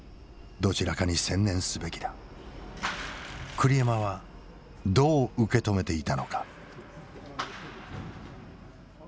栗山はどう受け止めていたのか。